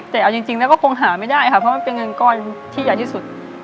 แต่เอาจริงแล้วก็คงหาไม่ได้ค่ะเพราะมันเป็นเงินก้อนที่ใหญ่ที่สุด